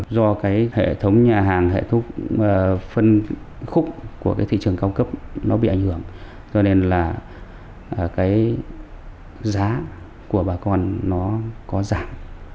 do cái hệ thống nhà hàng hệ thống phân khúc của cái thị trường cao cấp nó bị ảnh hưởng cho nên là cái giá của bà con nó có giảm